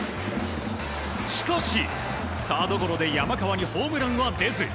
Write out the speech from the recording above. しかし、サードゴロで山川にホームランは出ず。